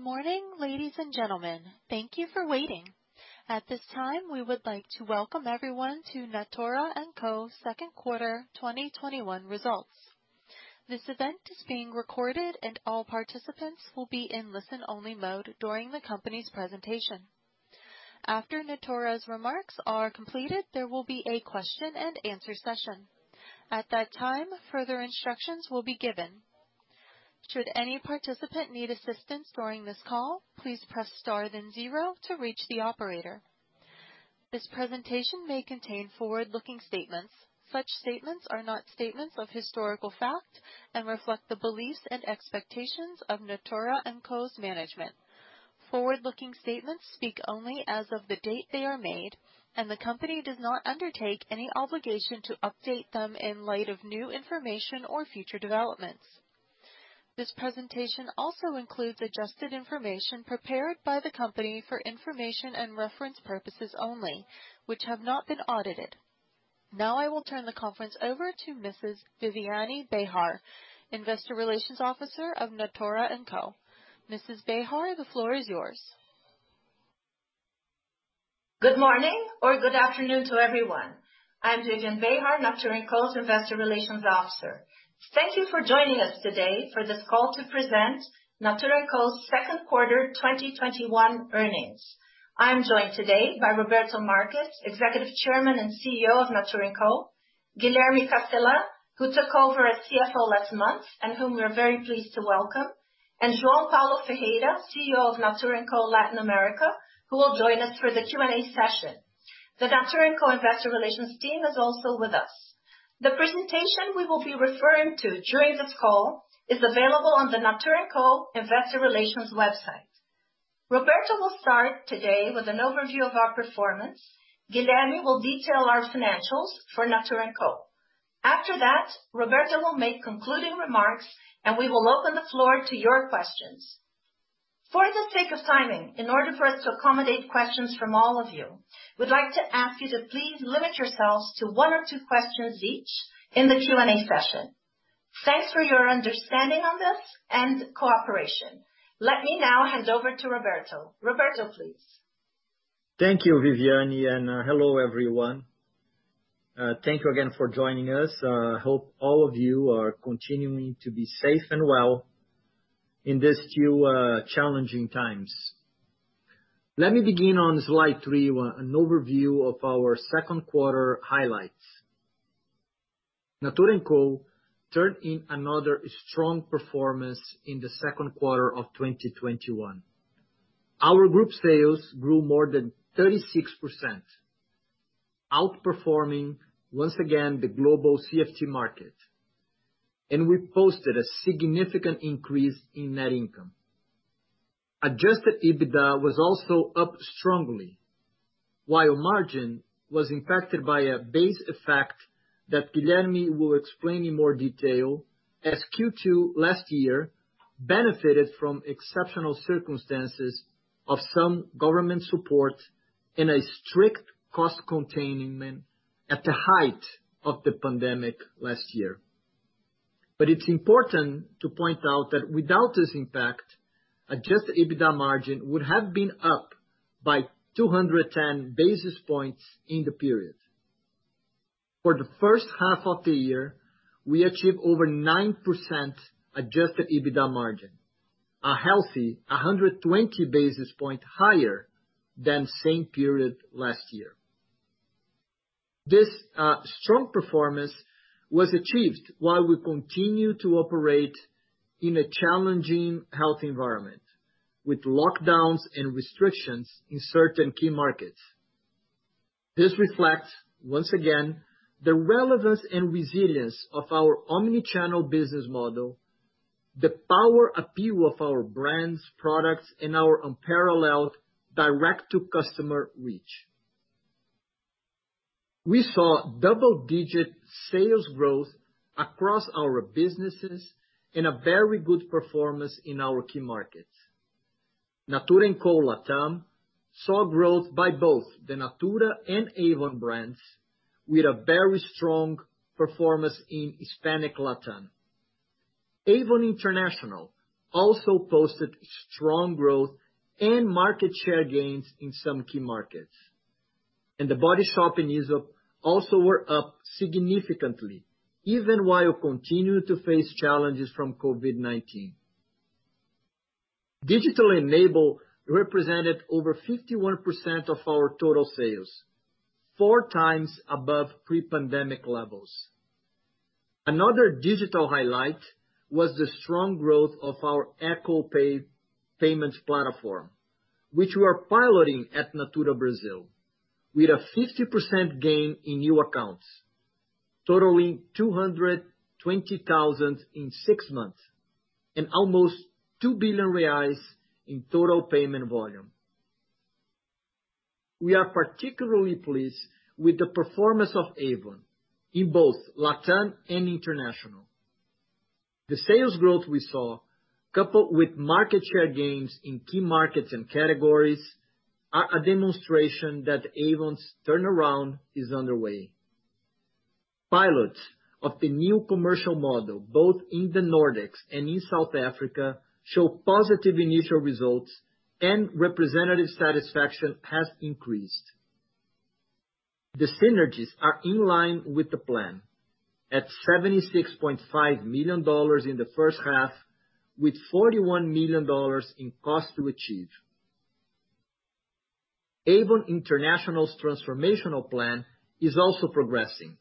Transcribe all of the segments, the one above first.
Good morning, ladies and gentlemen. Thank you for waiting. At this time, we would like to welcome everyone to Natura & Co.'s second quarter 2021 results. This event is being recorded, and all participants will be in listen-only mode during the company's presentation. After Natura's remarks are completed, there will be a question and answer session. At that time, further instructions will be given. Should any participant need assistance during this call, please press star then zero to reach the operator. This presentation may contain forward-looking statements. Such statements are not statements of historical fact and reflect the beliefs and expectations of Natura & Co.'s management. Forward-looking statements speak only as of the date they are made, and the company does not undertake any obligation to update them in light of new information or future developments. This presentation also includes adjusted information prepared by the company for information and reference purposes only, which have not been audited. I will turn the conference over to Mrs. Viviane Behar, Investor Relations Officer of Natura & Co. Mrs. Behar, the floor is yours. Good morning or good afternoon to everyone. I'm Viviane Behar, Natura & Co's Investor Relations Officer. Thank you for joining us today for this call to present Natura & Co's second quarter 2021 earnings. I'm joined today by Roberto Marques, Executive Chairman and Group CEO, Natura & Co; Guilherme Castellan, who took over as CFO last month and whom we're very pleased to welcome; and João Paulo Ferreira, CEO of Natura & Co. Latin America, who will join us for the Q&A session. The Natura & Co investor relations team is also with us. The presentation we will be referring to during this call is available on the Natura & Co investor relations website. Roberto will start today with an overview of our performance. Guilherme will detail our financials for Natura & Co. After that, Roberto will make concluding remarks, and we will open the floor to your questions. For the sake of timing, in order for us to accommodate questions from all of you, we'd like to ask you to please limit yourselves to one or two questions each in the Q&A session. Thanks for your understanding on this and cooperation. Let me now hand over to Roberto. Roberto, please. Thank you, Viviane, and hello, everyone. Thank you again for joining us. I hope all of you are continuing to be safe and well in these few challenging times. Let me begin on slide three, an overview of our second quarter highlights. Natura & Co turned in another strong performance in the second quarter of 2021. Our group sales grew more than 36%, outperforming, once again, the global CFT market, and we posted a significant increase in net income. Adjusted EBITDA was also up strongly, while margin was impacted by a base effect that Guilherme will explain in more detail as Q2 last year benefited from exceptional circumstances of some government support and a strict cost containment at the height of the pandemic last year. It's important to point out that without this impact, adjusted EBITDA margin would have been up by 210 basis points in the period. For the first half of the year, we achieved over 9% adjusted EBITDA margin, a healthy 120 basis points higher than same period last year. This strong performance was achieved while we continue to operate in a challenging health environment with lockdowns and restrictions in certain key markets. This reflects, once again, the relevance and resilience of our omni-channel business model, the power appeal of our brands, products, and our unparalleled direct-to-customer reach. We saw double-digit sales growth across our businesses and a very good performance in our key markets. Natura & Co. LatAm saw growth by both the Natura and Avon brands with a very strong performance in Hispanic LatAm. Avon International also posted strong growth and market share gains in some key markets. The Body Shop and Aesop also were up significantly, even while continuing to face challenges from COVID-19. Digital enabled represented over 51% of our total sales, four times above pre-pandemic levels. Another digital highlight was the strong growth of our &Co Pay platform, which we are piloting at Natura Brazil with a 50% gain in new accounts, totaling 220,000 in six months and almost 2 billion reais in total payment volume. We are particularly pleased with the performance of Avon in both LatAm and international. The sales growth we saw, coupled with market share gains in key markets and categories, are a demonstration that Avon's turnaround is underway. Pilots of the new commercial model, both in the Nordics and in South Africa, show positive initial results, and representative satisfaction has increased. The synergies are in line with the plan, at $76.5 million in the first half, with $41 million in cost to achieve. Avon International's transformational plan is also progressing,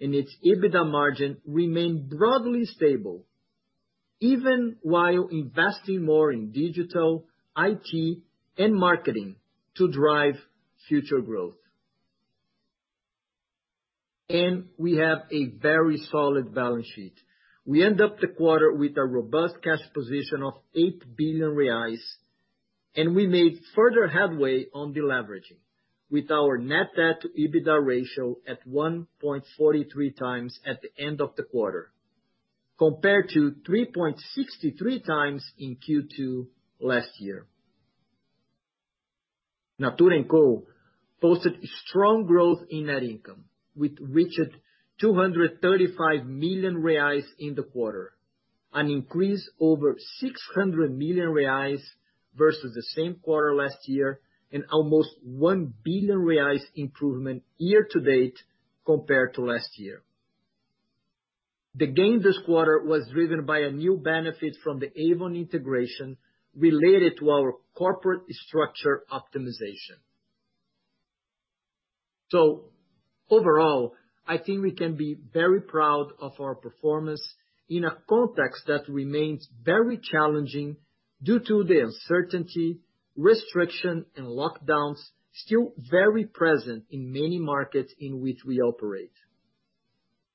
its EBITDA margin remain broadly stable even while investing more in digital, IT, and marketing to drive future growth. We have a very solid balance sheet. We end up the quarter with a robust cash position of 8 billion reais, and we made further headway on deleveraging, with our net debt to EBITDA ratio at 1.43 times at the end of the quarter, compared to 3.63 times in Q2 last year. Natura & Co posted strong growth in net income, which reached 235 million reais in the quarter, an increase over 600 million reais versus the same quarter last year, and almost 1 billion reais improvement year to date compared to last year. The gain this quarter was driven by a new benefit from the Avon integration related to our corporate structure optimization. Overall, I think we can be very proud of our performance in a context that remains very challenging due to the uncertainty, restriction, and lockdowns still very present in many markets in which we operate.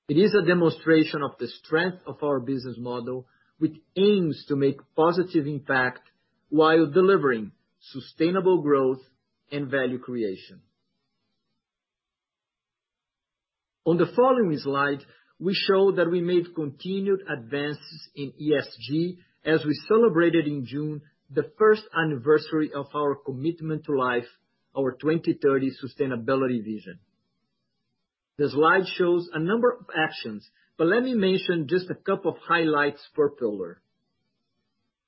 It is a demonstration of the strength of our business model, which aims to make positive impact while delivering sustainable growth and value creation. On the following slide, we show that we made continued advances in ESG, as we celebrated in June the first anniversary of our Commitment to Life, our 2030 sustainability vision. The slide shows a number of actions, but let me mention just a couple of highlights per pillar.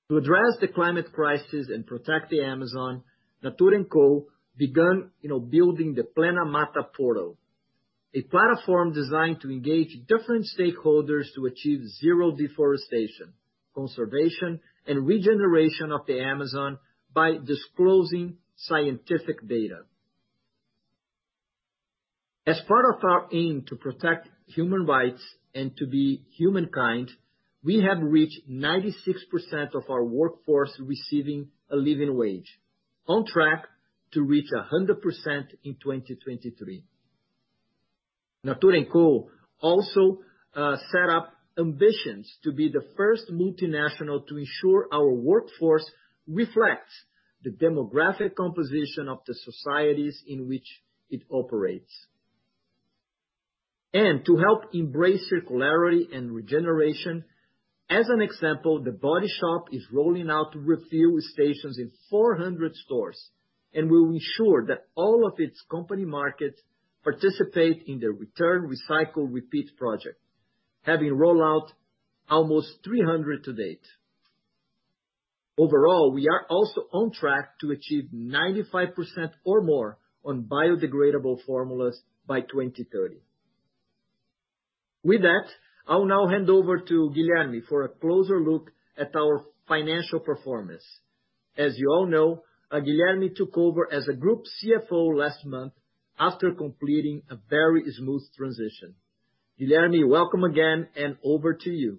To address the climate crisis and protect the Amazon, Natura & Co began building the PlenaMata portal, a platform designed to engage different stakeholders to achieve zero deforestation, conservation, and regeneration of the Amazon by disclosing scientific data. As part of our aim to protect human rights and to be humankind, we have reached 96% of our workforce receiving a living wage, on track to reach 100% in 2023. Natura & Co also set up ambitions to be the first multinational to ensure our workforce reflects the demographic composition of the societies in which it operates. To help embrace circularity and regeneration, as an example, The Body Shop is rolling out refill stations in 400 stores and will ensure that all of its company markets participate in the Return Recycle Repeat project, having rolled out almost 300 to date. Overall, we are also on track to achieve 95% or more on biodegradable formulas by 2030. With that, I will now hand over to Guilherme for a closer look at our financial performance. As you all know, Guilherme took over as a group CFO last month after completing a very smooth transition. Guilherme, welcome again, and over to you.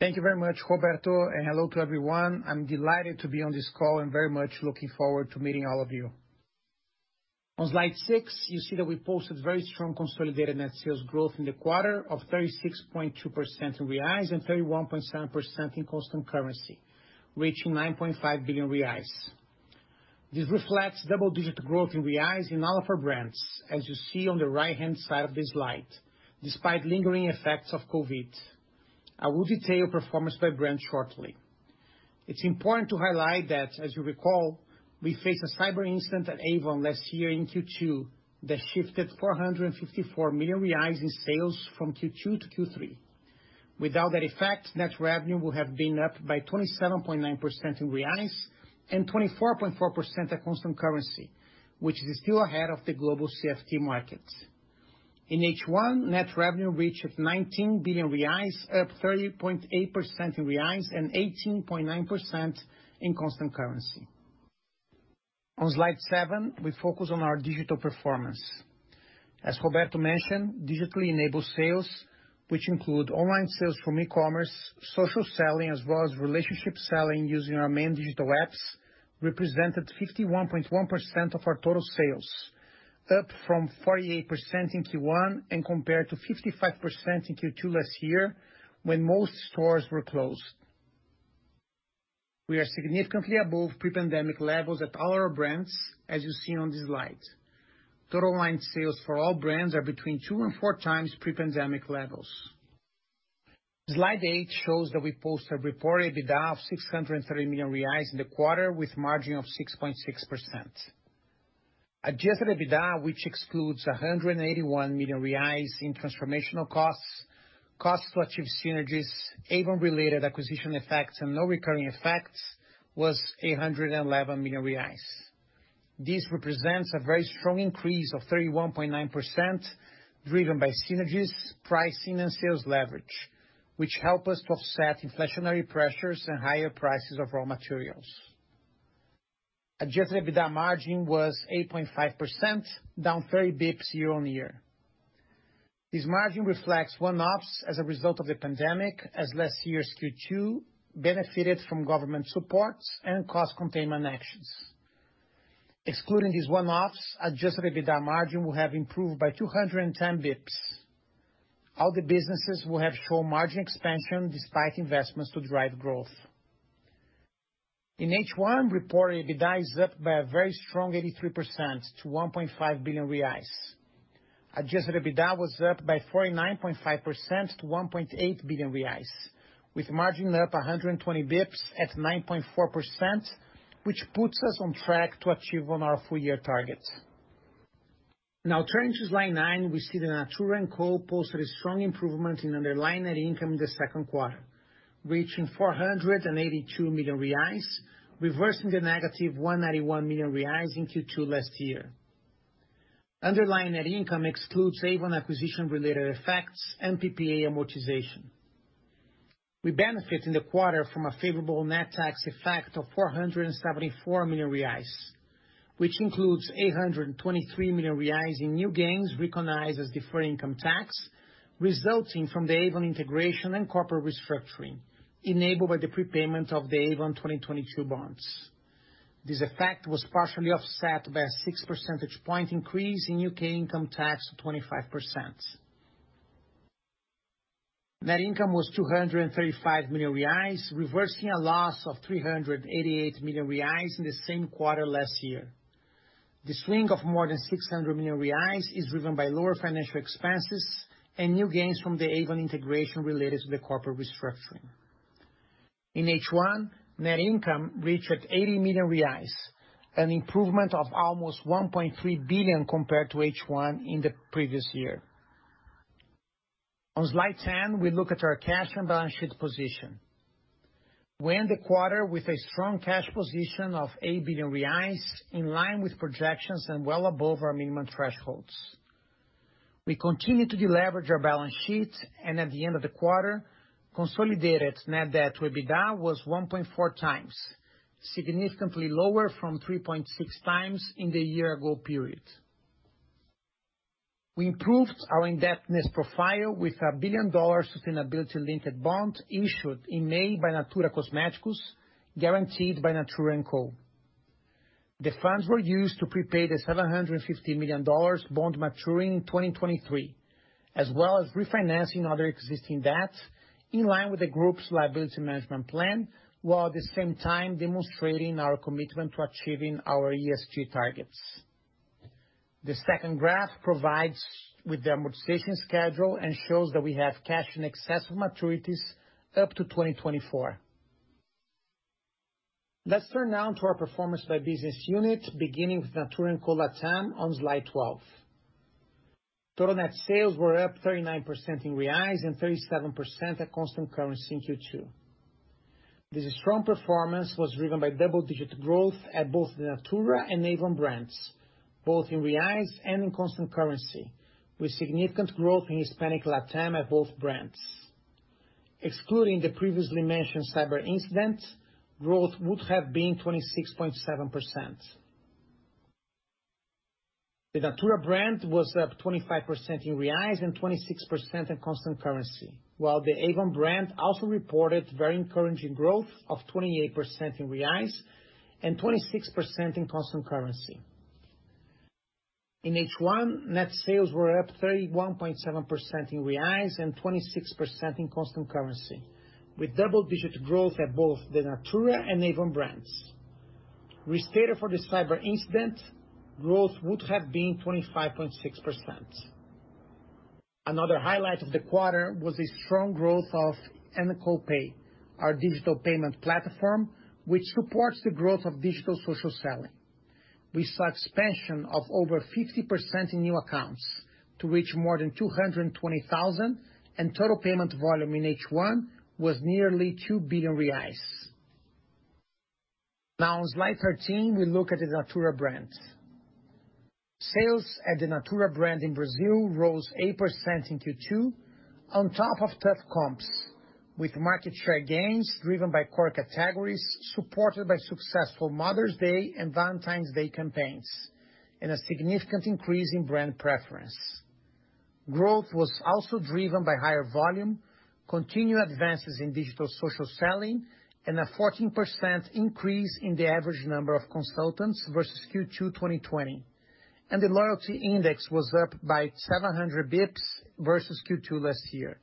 Thank you very much, Roberto, and hello to everyone. I am delighted to be on this call and very much looking forward to meeting all of you. On slide six, you see that we posted very strong consolidated net sales growth in the quarter of 36.2% in BRL and 31.7% in constant currency, reaching 9.5 billion reais. This reflects double-digit growth in BRL in all of our brands, as you see on the right-hand side of this slide, despite lingering effects of COVID. I will detail performance by brand shortly. It is important to highlight that, as you recall, we faced a cyber incident at Avon last year in Q2 that shifted 454 million reais in sales from Q2-Q3. Without that effect, net revenue will have been up by 27.9% in BRL and 24.4% at constant currency, which is still ahead of the global CFT markets. In H1, net revenue reached 19 billion reais, up 30.8% in BRL and 18.9% in constant currency. On slide seven, we focus on our digital performance. As Roberto mentioned, digitally enabled sales, which include online sales from e-commerce, social selling, as well as relationship selling using our main digital apps, represented 51.1% of our total sales, up from 48% in Q1 and compared to 55% in Q2 last year when most stores were closed. We are significantly above pre-pandemic levels at all our brands, as you see on this slide. Total online sales for all brands are between two and four times pre-pandemic levels. Slide eight shows that we posted reported EBITDA of 630 million reais in the quarter with margin of 6.6%. Adjusted EBITDA, which excludes 181 million reais in transformational costs to achieve synergies, Avon related acquisition effects, and non-recurring effects, was 811 million reais. This represents a very strong increase of 31.9%, driven by synergies, pricing, and sales leverage, which help us to offset inflationary pressures and higher prices of raw materials. Adjusted EBITDA margin was 8.5%, down 30 basis points year-on-year. This margin reflects one-offs as a result of the pandemic, as last year's Q2 benefited from government supports and cost containment actions. Excluding these one-offs, adjusted EBITDA margin will have improved by 210 basis points. All the businesses will have shown margin expansion despite investments to drive growth. In H1, reported EBITDA is up by a very strong 83% to 1.5 billion reais. Adjusted EBITDA was up by 49.5% to 1.8 billion reais, with margin up 120 basis points at 9.4%, which puts us on track to achieve on our full-year targets. Now turning to slide nine, we see that Natura & Co posted a strong improvement in underlying net income in the second quarter, reaching 482 million reais, reversing the negative 191 million reais in Q2 last year. Underlying net income excludes Avon acquisition-related effects and PPA amortization. We benefit in the quarter from a favorable net tax effect of 474 million reais, which includes 823 million reais in new gains recognized as deferred income tax, resulting from the Avon integration and corporate restructuring enabled by the prepayment of the Avon 2022 bonds. This effect was partially offset by a six percentage point increase in U.K. income tax to 25%. Net income was 235 million reais, reversing a loss of 388 million reais in the same quarter last year. The swing of more than 600 million reais is driven by lower financial expenses and new gains from the Avon integration related to the corporate restructuring. In H1, net income reached 80 million reais, an improvement of almost 1.3 billion compared to H1 in the previous year. On slide 10, we look at our cash and balance sheet position. We end the quarter with a strong cash position of 8 billion reais, in line with projections and well above our minimum thresholds. We continue to deleverage our balance sheet, and at the end of the quarter, consolidated net debt to EBITDA was 1.4 times, significantly lower from 3.6 times in the year-ago period. We improved our indebtedness profile with a billion-dollar sustainability-linked bond issued in May by Natura Cosméticos, guaranteed by Natura & Co. The funds were used to prepay the BRL 750 million bond maturing in 2023, as well as refinancing other existing debts in line with the group's liability management plan, while at the same time demonstrating our commitment to achieving our ESG targets. The second graph provides with the amortization schedule and shows that we have cash in excess of maturities up to 2024. Let's turn now to our performance by business unit, beginning with Natura & Co LatAm on slide 12. Total net sales were up 39% in BRL and 37% at constant currency in Q2. This strong performance was driven by double-digit growth at both the Natura and Avon brands, both in BRL and in constant currency, with significant growth in Hispanic LatAm at both brands. Excluding the previously mentioned cyber incident, growth would have been 26.7%. The Natura brand was up BRL 25% and 26% in constant currency, while the Avon brand also reported very encouraging growth of BRL 28% and 26% in constant currency. In H1, net sales were up BRL 31.7% and 26% in constant currency, with double-digit growth at both the Natura and Avon brands. Restated for the cyber incident, growth would have been 25.6%. Another highlight of the quarter was the strong growth of &Co Pay, our digital payment platform, which supports the growth of digital social selling. We saw expansion of over 50% in new accounts to reach more than 220,000, and total payment volume in H1 was nearly 2 billion reais. On slide 13, we look at the Natura brand. Sales at the Natura brand in Brazil rose 8% in Q2 on top of tough comps, with market share gains driven by core categories supported by successful Mother's Day and Valentine's Day campaigns, and a significant increase in brand preference. Growth was also driven by higher volume, continued advances in digital social selling, and a 14% increase in the average number of consultants versus Q2 2020. The loyalty index was up by 700 basis points versus Q2 last year.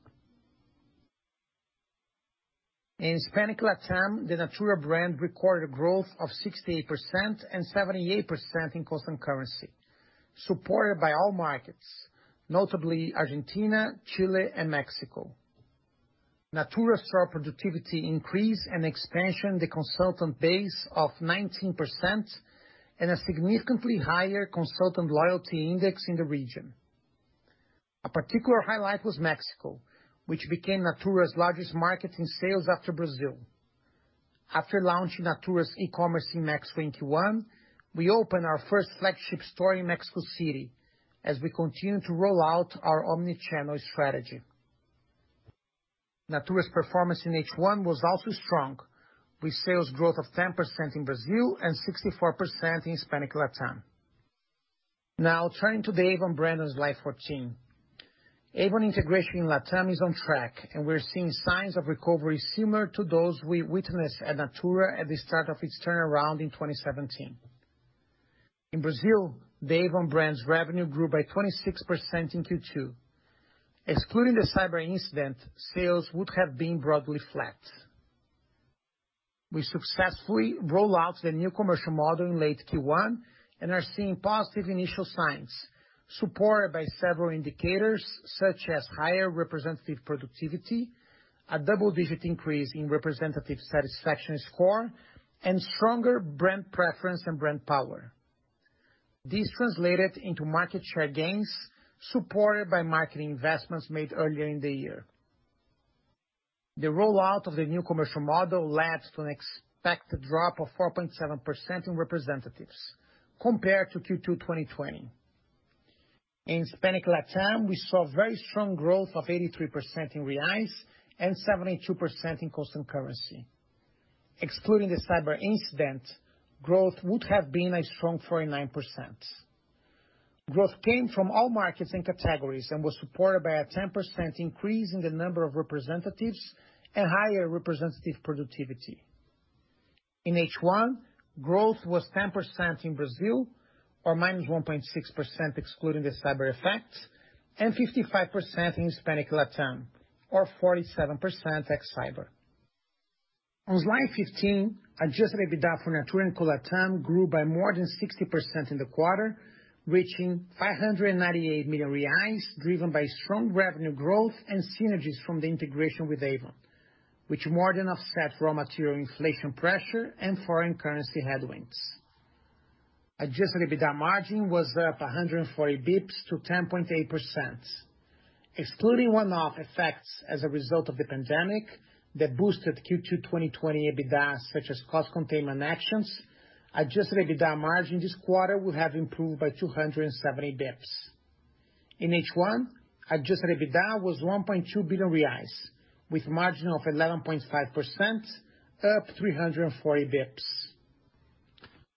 In Hispanic LatAm, the Natura brand recorded growth of 68% and 78% in constant currency, supported by all markets, notably Argentina, Chile, and Mexico. Natura saw productivity increase and expansion the consultant base of 19%, and a significantly higher consultant loyalty index in the region. A particular highlight was Mexico, which became Natura's largest market in sales after Brazil. After launching Natura's e-commerce in Mexico in Q1, we opened our first flagship store in Mexico City, as we continue to roll out our omni-channel strategy. Natura's performance in H1 was also strong, with sales growth of 10% in Brazil and 64% in Hispanic LatAm. Now, turning to the Avon Brands slide 14. Avon integration in LatAm is on track, and we're seeing signs of recovery similar to those we witnessed at Natura at the start of its turnaround in 2017. In Brazil, the Avon brand's revenue grew by 26% in Q2. Excluding the cyber incident, sales would have been broadly flat. We successfully roll out the new commercial model in late Q1 and are seeing positive initial signs supported by several indicators, such as higher representative productivity, a double-digit increase in representative satisfaction score, and stronger brand preference and brand power. This translated into market share gains supported by marketing investments made earlier in the year. The rollout of the new commercial model led to an expected drop of 4.7% in representatives compared to Q2 2020. In Hispanic LatAm, we saw very strong growth of 83% in BRL and 72% in constant currency. Excluding the cyber incident, growth would have been a strong 49%. Growth came from all markets and categories and was supported by a 10% increase in the number of representatives and higher representative productivity. In H1, growth was 10% in Brazil, or -1.6% excluding the cyber effects, and 55% in Hispanic LatAm, or 47% ex cyber. On slide 15, adjusted EBITDA for Natura & Co LatAm grew by more than 60% in the quarter, reaching 598 million reais, driven by strong revenue growth and synergies from the integration with Avon, which more than offset raw material inflation pressure and foreign currency headwinds. Adjusted EBITDA margin was up 140 basis points to 10.8%. Excluding one-off effects as a result of the pandemic that boosted Q2 2020 EBITDA, such as cost containment actions, adjusted EBITDA margin this quarter will have improved by 270 basis points. In H1, adjusted EBITDA was 1.2 billion reais, with margin of 11.5%, up 340 basis points.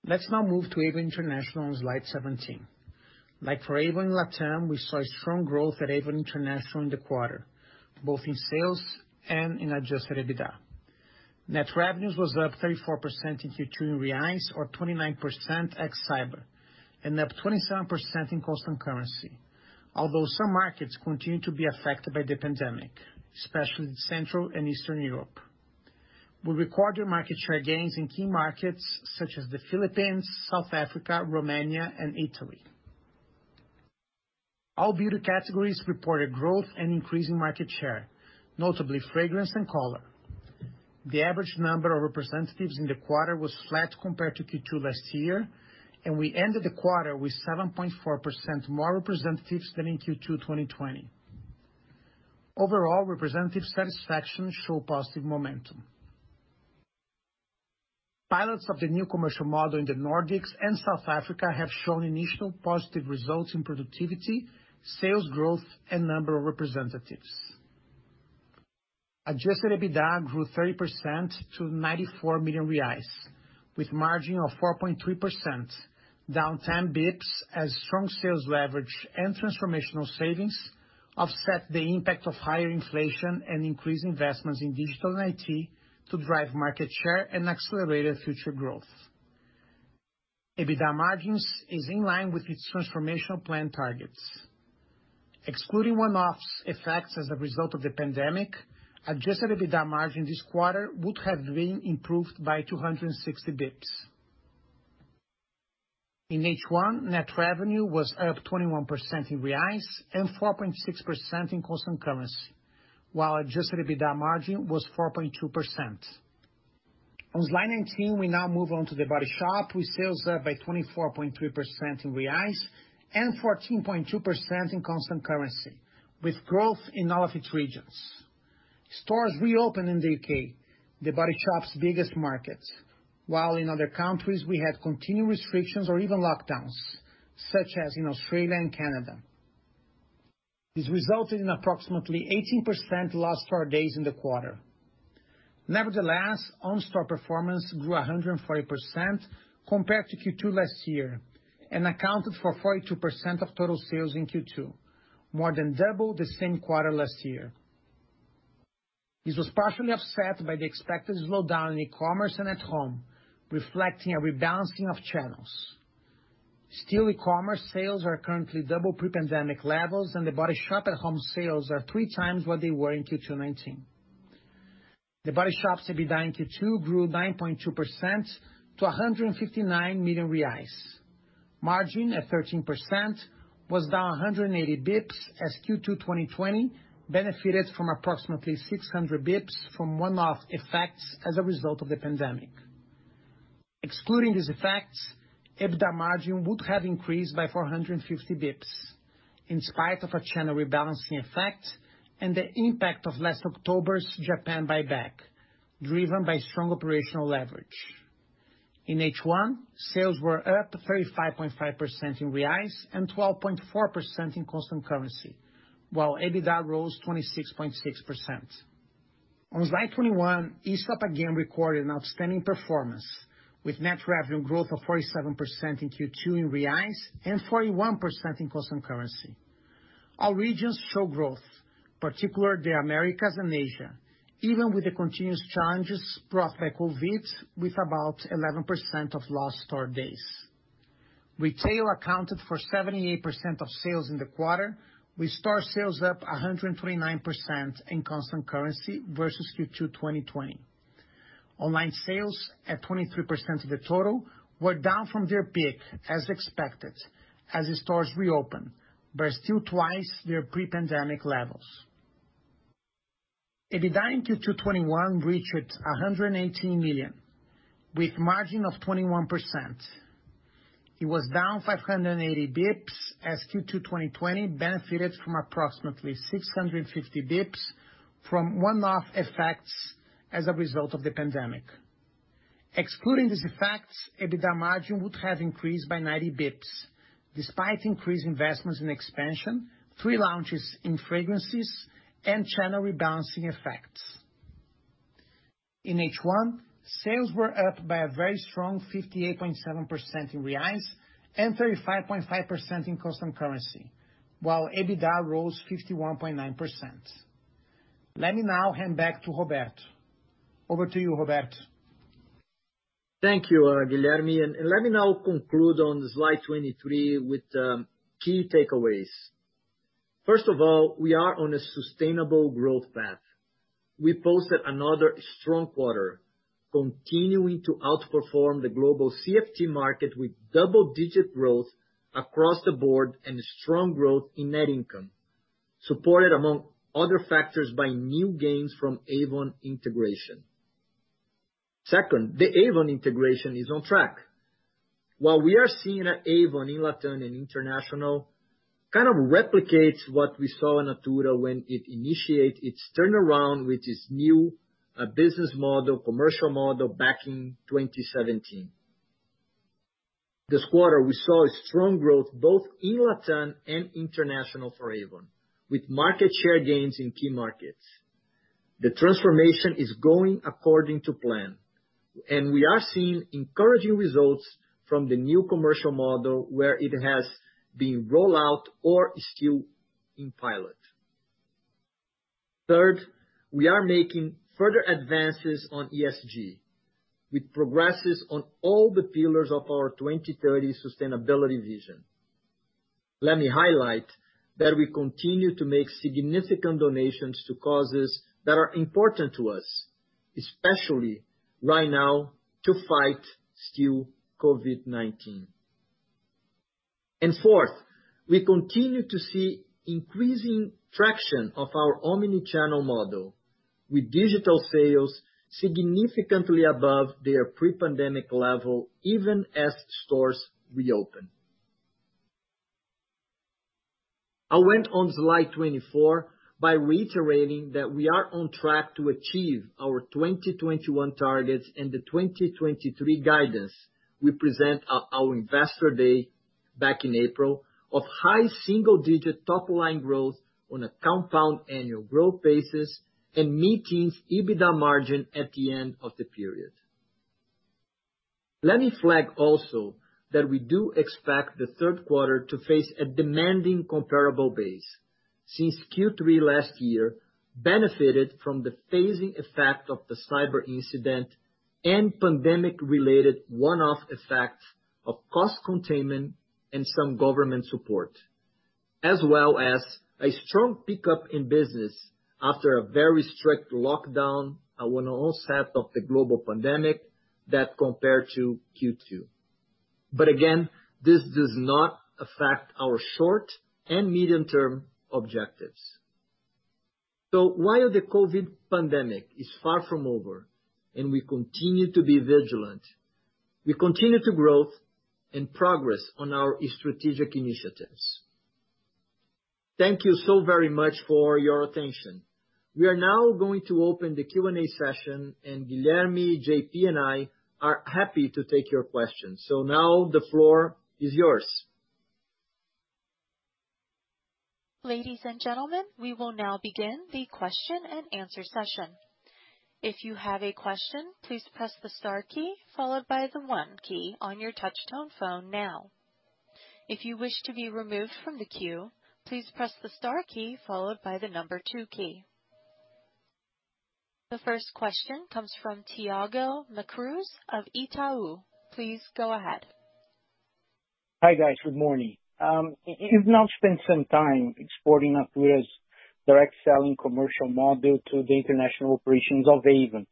Let's now move to Avon International on slide 17. Like for Avon in LatAm, we saw strong growth at Avon International in the quarter, both in sales and in adjusted EBITDA. Net revenues was up 34% in Q2 in Reais, or 29% ex cyber, and up 27% in constant currency. Although some markets continue to be affected by the pandemic, especially Central and Eastern Europe. We recorded market share gains in key markets such as the Philippines, South Africa, Romania, and Italy. All beauty categories reported growth and increase in market share, notably fragrance and color. The average number of representatives in the quarter was flat compared to Q2 last year, and we ended the quarter with 7.4% more representatives than in Q2 2020. Overall, representative satisfaction show positive momentum. Pilots of the new commercial model in the Nordics and South Africa have shown initial positive results in productivity, sales growth, and number of representatives. Adjusted EBITDA grew 30% to 94 million reais, with margin of 4.3%, down 10 basis points as strong sales leverage and transformational savings offset the impact of higher inflation and increased investments in digital and IT to drive market share and accelerated future growth. EBITDA margins is in line with its transformational plan targets. Excluding one-offs effects as a result of the pandemic, adjusted EBITDA margin this quarter would have been improved by 260 basis points. In H1, net revenue was up 21% in BRL and 4.6% in constant currency, while adjusted EBITDA margin was 4.2%. On slide 19, we now move on to The Body Shop, with sales up by 24.3% in Reais and 14.2% in constant currency, with growth in all of its regions. Stores reopened in the U.K., The Body Shop's biggest market, while in other countries, we had continued restrictions or even lockdowns, such as in Australia and Canada. This resulted in approximately 18% lost store days in the quarter. Nevertheless, own store performance grew 140% compared to Q2 last year and accounted for 42% of total sales in Q2, more than double the same quarter last year. This was partially offset by the expected slowdown in e-commerce and at home, reflecting a rebalancing of channels. Still, e-commerce sales are currently double pre-pandemic levels, and The Body Shop at-home sales are three times what they were in Q2 2019. The Body Shop's EBITDA in Q2 grew 9.2% to 159 million reais. Margin at 13% was down 180 basis points as Q2 2020 benefited from approximately 600 basis points from one-off effects as a result of the pandemic. Excluding these effects, EBITDA margin would have increased by 450 basis points in spite of a channel rebalancing effect and the impact of last October's Japan buyback, driven by strong operational leverage. In H1, sales were up 35.5% in BRL and 12.4% in constant currency, while EBITDA rose 26.6%. On slide 21, Aesop again recorded an outstanding performance with net revenue growth of 47% in Q2 in Reais and 41% in constant currency. All regions show growth, particularly the Americas and Asia, even with the continuous challenges brought by COVID, with about 11% of lost store days. Retail accounted for 78% of sales in the quarter, with store sales up 129% in constant currency versus Q2 2020. Online sales, at 23% of the total, were down from their peak as expected as the stores reopen, but still twice their pre-pandemic levels. EBITDA in Q2 2021 reached 118 million, with margin of 21%. It was down 580 basis points as Q2 2020 benefited from approximately 650 basis points from one-off effects as a result of the pandemic. Excluding these effects, EBITDA margin would have increased by 90 basis points despite increased investments in expansion, three launches in fragrances, and channel rebalancing effects. In H1, sales were up by a very strong 58.7% in reais and 35.5% in constant currency, while EBITDA rose 51.9%. Let me now hand back to Roberto. Over to you, Roberto. Thank you, Guilherme. Let me now conclude on slide 23 with key takeaways. First of all, we are on a sustainable growth path. We posted another strong quarter, continuing to outperform the global CFT market with double-digit growth across the board and strong growth in net income, supported, among other factors, by new gains from Avon integration. Second, the Avon integration is on track. While we are seeing Avon in LatAm and international kind of replicates what we saw in Natura when it initiated its turnaround with its new business model, commercial model back in 2017. This quarter, we saw a strong growth both in LatAm and international for Avon, with market share gains in key markets. The transformation is going according to plan, and we are seeing encouraging results from the new commercial model where it has been rolled out or is still in pilot. Third, we are making further advances on ESG with progresses on all the pillars of our 2030 sustainability vision. Let me highlight that we continue to make significant donations to causes that are important to us, especially right now, to fight still COVID-19. Fourth, we continue to see increasing traction of our omni-channel model, with digital sales significantly above their pre-pandemic level, even as stores reopen. I'll end on slide 24 by reiterating that we are on track to achieve our 2021 targets and the 2023 guidance we present at our investor day back in April of high single-digit top-line growth on a compound annual growth basis and meeting EBITDA margin at the end of the period. Let me flag also that we do expect the third quarter to face a demanding comparable base, since Q3 last year benefited from the phasing effect of the cyber incident and pandemic-related one-off effects of cost containment and some government support, as well as a strong pickup in business after a very strict lockdown on onset of the global pandemic that compared to Q2. Again, this does not affect our short- and medium-term objectives. While the COVID pandemic is far from over and we continue to be vigilant, we continue to grow and progress on our strategic initiatives. Thank you so very much for your attention. We are now going to open the Q&A session, and Guilherme, JP, and I are happy to take your questions. Now the floor is yours. Ladies and gentlemen, we will now begin the question-and-answer session. If you have a question please press the star key followed by the one key on your touch-tone phone now. If you wish to be removed from the question queue please press the star key followed by the number two key. The first question comes from Thiago Macruz of Itaú. Please go ahead. Hi, guys. Good morning. You've now spent some time exploring Natura's direct selling commercial model to the international operations of Avon.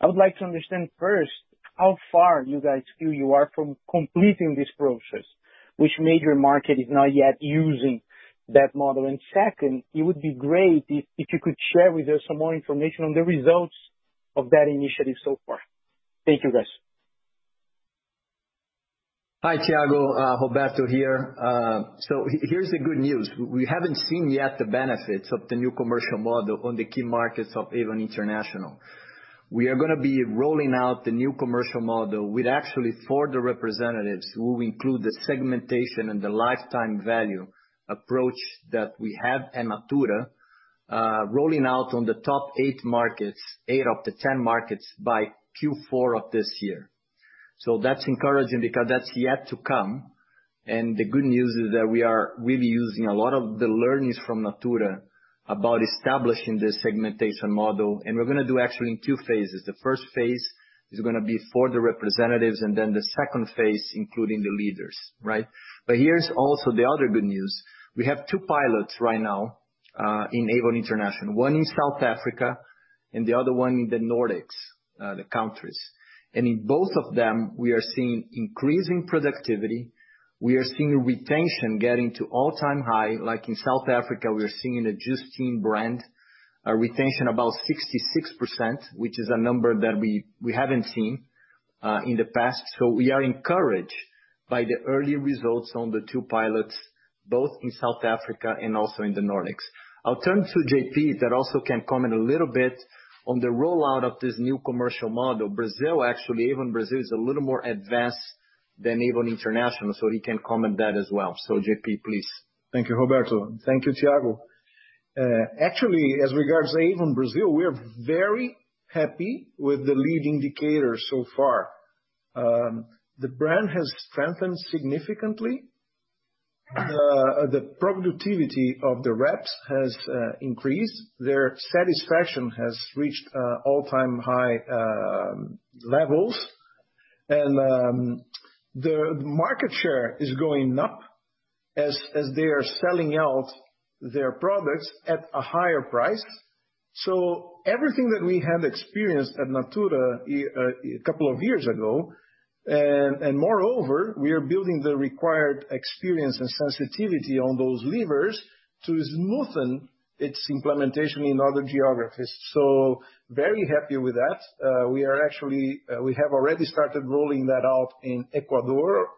I would like to understand first, how far you guys feel you are from completing this process, which major market is not yet using that model? Second, it would be great if you could share with us some more information on the results of that initiative so far. Thank you, guys. Hi, Thiago. Roberto here. Here's the good news. We haven't seen yet the benefits of the new commercial model on the key markets of Avon International. We are going to be rolling out the new commercial model with actually, for the representatives, we will include the segmentation and the lifetime value approach that we have in Natura, rolling out on the top eight markets, eight of the 10 markets by Q4 of this year. That's encouraging because that's yet to come, and the good news is that we are really using a lot of the learnings from Natura about establishing this segmentation model, and we're going to do actually in two phases. The first phase is going to be for the representatives, and then the second phase, including the leaders. Right. Here's also the other good news. We have two pilots right now, in Avon International. One in South Africa and the other one in the Nordics, the countries. In both of them, we are seeing increasing productivity. We are seeing retention getting to all-time high, like in South Africa, we are seeing the Justine brand, a retention about 66%, which is a number that we haven't seen in the past. We are encouraged by the early results on the two pilots, both in South Africa and also in the Nordics. I'll turn to JP that also can comment a little bit on the rollout of this new commercial model. Brazil, actually, Avon Brazil is a little more advanced than Avon International, so he can comment that as well. JP, please. Thank you, Roberto. Thank you, Thiago. Actually, as regards to Avon Brazil, we are very happy with the leading indicators so far. The brand has strengthened significantly. The productivity of the reps has increased. Their satisfaction has reached all-time high levels. The market share is going up as they are selling out their products at a higher price. Everything that we have experienced at Natura a couple of years ago. Moreover, we are building the required experience and sensitivity on those levers to smoothen its implementation in other geographies. Very happy with that. We have already started rolling that out in Ecuador,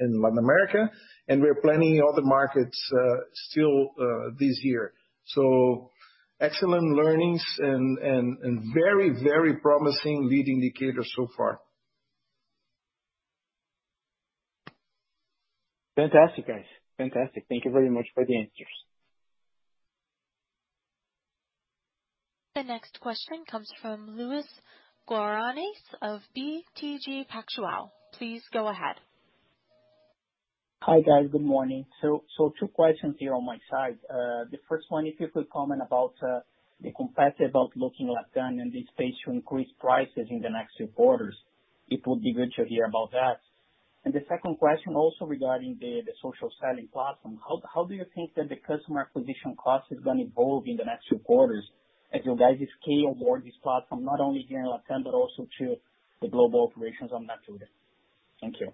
in Latin America, and we are planning other markets still this year. Excellent learnings and very promising leading indicators so far. Fantastic, guys. Fantastic. Thank you very much for the answers. The next question comes from Luiz Guanais of BTG Pactual. Please go ahead. Hi, guys. Good morning. Two questions here on my side. The first one, if you could comment about the competitive outlook in Latin and the space to increase prices in the next few quarters, it would be good to hear about that. The second question also regarding the social selling platform, how do you think that the customer acquisition cost is going to evolve in the next few quarters as you guys scale more this platform, not only here in Latin, but also to the global operations on Natura? Thank you.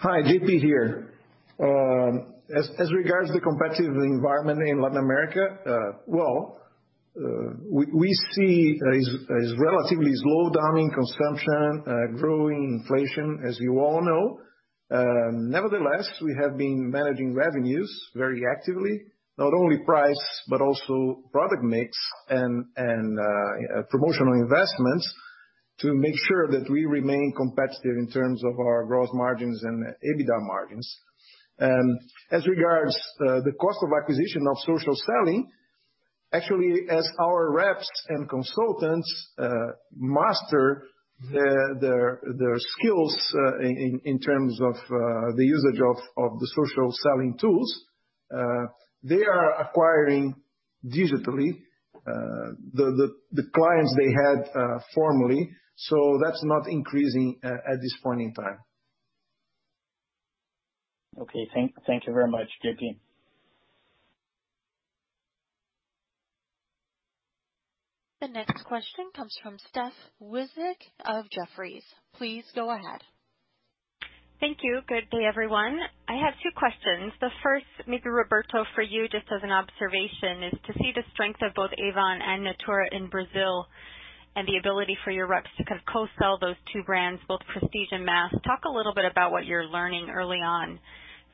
Hi, JP here. As regards to the competitive environment in Latin America, well, we see a relatively slowdown in consumption, growing inflation, as you all know. Nevertheless, we have been managing revenues very actively, not only price, but also product mix and promotional investments to make sure that we remain competitive in terms of our gross margins and EBITDA margins. As regards the cost of acquisition of social selling, actually, as our reps and consultants master their skills in terms of the usage of the social selling tools, they are acquiring digitally the clients they had formerly. That's not increasing at this point in time. Okay. Thank you very much, JP. The next question comes from Steph Wissink of Jefferies. Please go ahead. Thank you. Good day, everyone. I have two questions. The first, maybe Roberto for you, just as an observation, is to see the strength of both Avon and Natura in Brazil and the ability for your reps to co-sell those two brands, both prestige and mass. Talk a little bit about what you're learning early on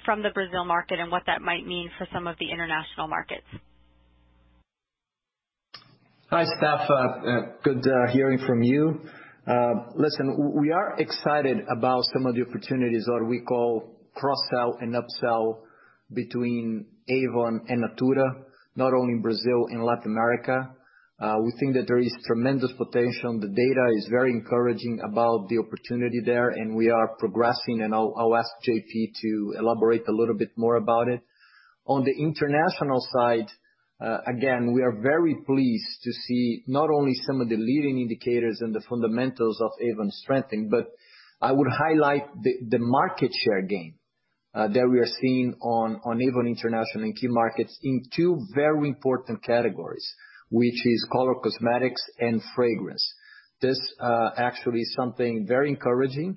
from the Brazil market and what that might mean for some of the international markets. Hi, Steph. Good hearing from you. Listen, we are excited about some of the opportunities or we call cross-sell and up-sell between Avon and Natura, not only in Brazil, in Latin America. We think that there is tremendous potential. The data is very encouraging about the opportunity there, and we are progressing, and I'll ask JP to elaborate a little bit more about it. On the international side, again, we are very pleased to see not only some of the leading indicators and the fundamentals of Avon strengthening, but I would highlight the market share gain that we are seeing on Avon International and key markets in two very important categories, which is color cosmetics and fragrance. This actually is something very encouraging.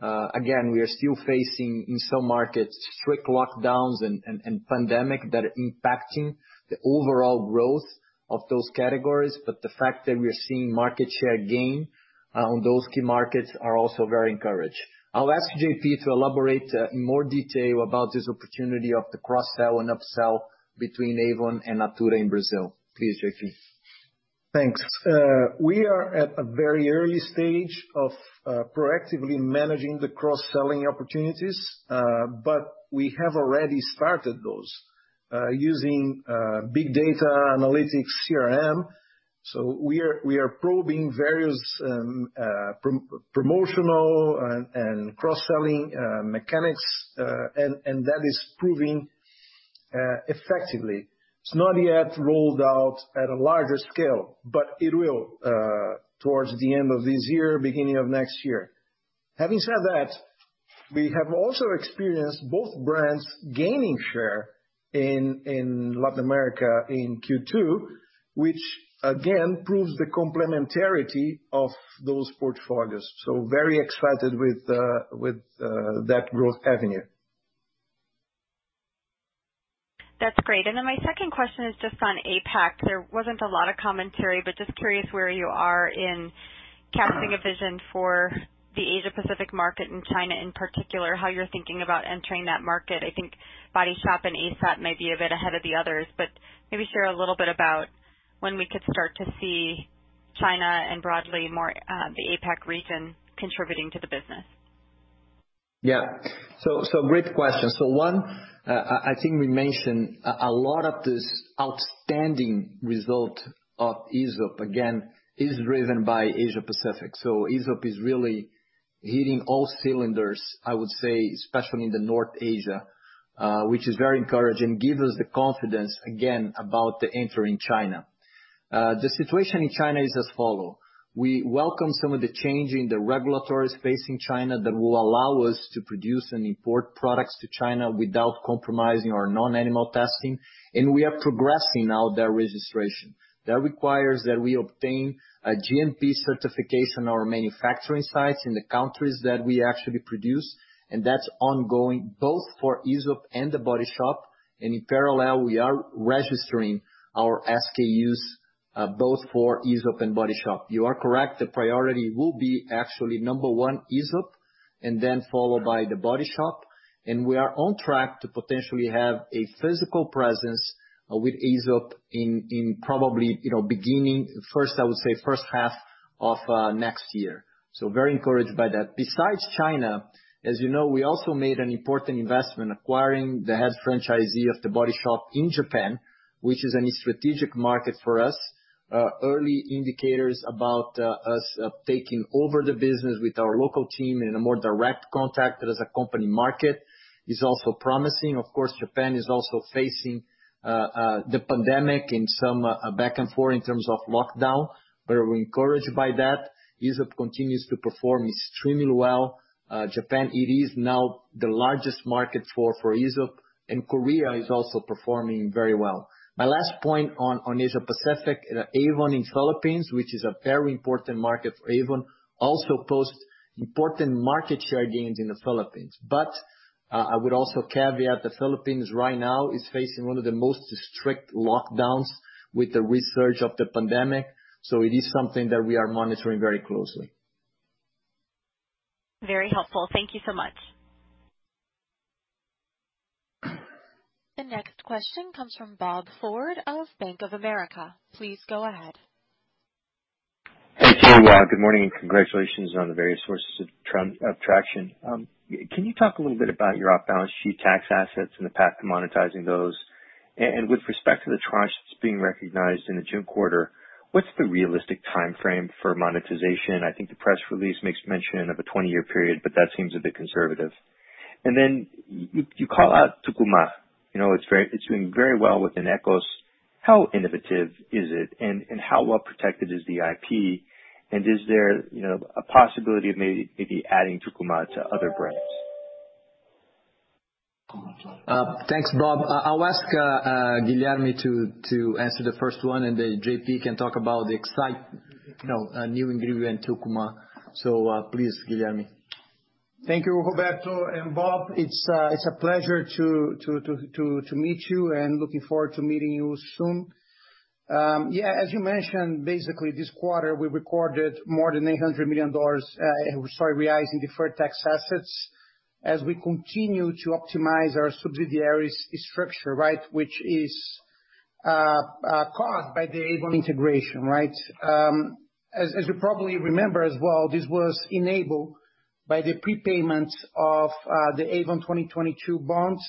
Again, we are still facing, in some markets, strict lockdowns and pandemic that are impacting the overall growth of those categories. The fact that we are seeing market share gain on those key markets are also very encouraged. I'll ask JP to elaborate in more detail about this opportunity of the cross-sell and up-sell between Avon and Natura in Brazil. Please, JP. Thanks. We are at a very early stage of proactively managing the cross-selling opportunities. We have already started those using big data analytics CRM. We are probing various promotional and cross-selling mechanics, and that is proving effectively. It's not yet rolled out at a larger scale. It will towards the end of this year, beginning of next year. Having said that, we have also experienced both brands gaining share in Latin America in Q2, which again proves the complementarity of those portfolios. Very excited with that growth avenue. That's great. My second question is just on APAC. There wasn't a lot of commentary, but just curious where you are in casting a vision for the Asia-Pacific market, and China in particular, how you're thinking about entering that market. I think The Body Shop and Aesop may be a bit ahead of the others, but maybe share a little bit about when we could start to see China and broadly more, the APAC region contributing to the business. Yeah. Great question. One, I think we mentioned a lot of this outstanding result of Aesop, again, is driven by Asia-Pacific. Aesop is really hitting all cylinders, I would say, especially in North Asia, which is very encouraging, give us the confidence, again, about entering China. The situation in China is as follow. We welcome some of the change in the regulatory space in China that will allow us to produce and import products to China without compromising our non-animal testing. We are progressing now their registration. That requires that we obtain a GMP certification, our manufacturing sites in the countries that we actually produce. That's ongoing both for Aesop and The Body Shop. In parallel, we are registering our SKUs, both for Aesop and The Body Shop. You are correct. The priority will be actually number one, Aesop, then followed by The Body Shop. We are on track to potentially have a physical presence with Aesop in probably beginning first, I would say, first half of next year. Very encouraged by that. Besides China, as you know, we also made an important investment acquiring the head franchisee of The Body Shop in Japan, which is a strategic market for us. Early indicators about us taking over the business with our local team in a more direct contact as a company market is also promising. Japan is also facing the pandemic in some back and forth in terms of lockdown, but we're encouraged by that. Aesop continues to perform extremely well. Japan, it is now the largest market for Aesop, and Korea is also performing very well. My last point on Asia-Pacific, Avon in Philippines, which is a very important market for Avon, also posts important market share gains in the Philippines. I would also caveat, the Philippines right now is facing one of the most strict lockdowns with the resurge of the pandemic. It is something that we are monitoring very closely. Very helpful. Thank you so much. The next question comes from Bob Ford of Bank of America. Please go ahead. Hey, team. Good morning, and congratulations on the various sources of traction. Can you talk a little bit about your off-balance sheet tax assets and the path to monetizing those? With respect to the tranche that's being recognized in the June quarter, what's the realistic timeframe for monetization? I think the press release makes mention of a 20-year period, but that seems a bit conservative. Then you call out Tucumã. It's doing very well within Ekos. How innovative is it, and how well protected is the IP? Is there a possibility of maybe adding Tucumã to other brands? Thanks, Bob. I'll ask Guilherme to answer the first one, and then JP can talk about the new ingredient, Tucumã. Please, Guilherme. Thank you, Roberto and Bob. It's a pleasure to meet you and looking forward to meeting you soon. As you mentioned, this quarter, we recorded more than $800 million realizing deferred tax assets as we continue to optimize our subsidiaries' structure, right, which is caused by the Avon integration, right? As you probably remember as well, this was enabled by the prepayment of the Avon 2022 bonds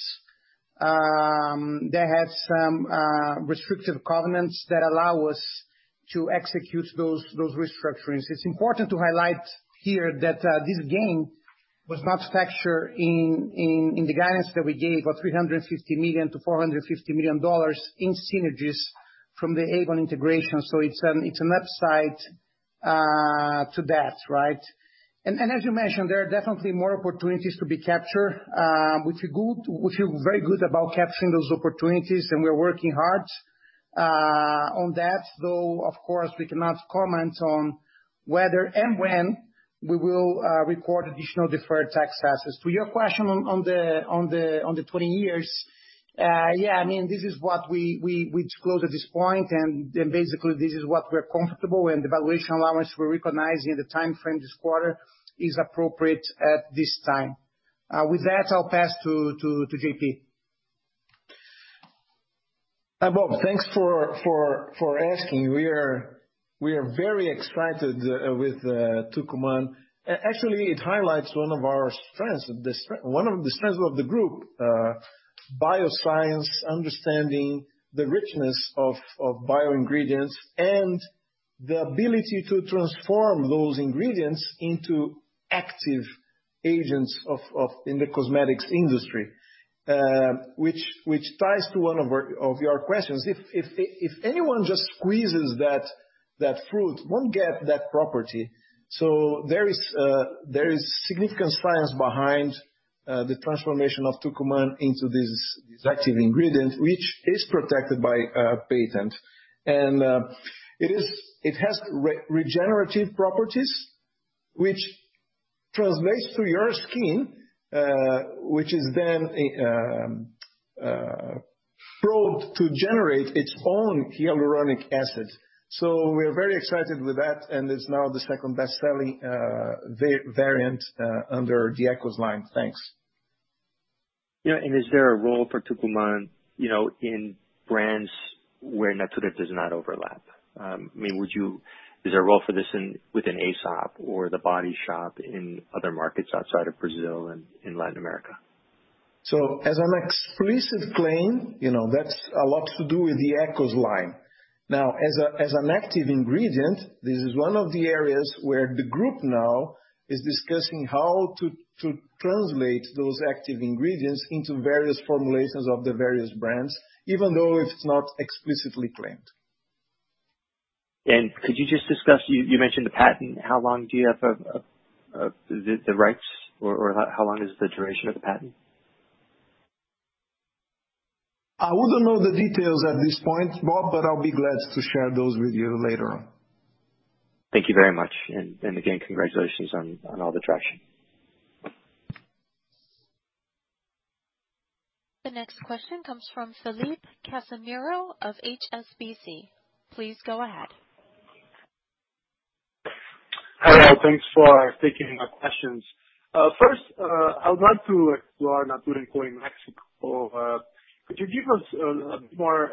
that had some restrictive covenants that allow us to execute those restructurings. It's important to highlight here that this gain Was not factored in the guidance that we gave for $350 million-$450 million in synergies from the Avon integration. It's an upside to that, right? As you mentioned, there are definitely more opportunities to be captured. We feel very good about capturing those opportunities, and we are working hard on that, though, of course, we cannot comment on whether and when we will record additional deferred tax assets. To your question on the 20 years, yeah, this is what we disclose at this point, and basically this is what we're comfortable, and the valuation allowance we're recognizing the timeframe this quarter is appropriate at this time. With that, I'll pass to JP. Bob, thanks for asking. We are very excited with Tucumã. Actually, it highlights one of the strengths of the group. Bioscience, understanding the richness of bio-ingredients, and the ability to transform those ingredients into active agents in the cosmetics industry, which ties to one of your questions. If anyone just squeezes that fruit, won't get that property. There is significant science behind the transformation of Tucumã into this active ingredient, which is protected by a patent. It has regenerative properties, which translates to your skin, which is then a probe to generate its own hyaluronic acid. We're very excited with that, and it's now the second best-selling variant under the Ekos line. Thanks. Yeah. Is there a role for Tucumã in brands where Natura does not overlap? Is there a role for this within Aesop or The Body Shop in other markets outside of Brazil and in Latin America? As an explicit claim, that's a lot to do with the Ekos line. As an active ingredient, this is one of the areas where the group now is discussing how to translate those active ingredients into various formulations of the various brands, even though it's not explicitly claimed. Could you just discuss, you mentioned the patent. How long do you have the rights, or how long is the duration of the patent? I wouldn't know the details at this point, Bob, but I'll be glad to share those with you later on. Thank you very much. Again, congratulations on all the traction. The next question comes from Felipe Cassimiro of HSBC. Please go ahead. Hello. Thanks for taking our questions. First, I would like to explore Natura & Co in Mexico. Could you give us a bit more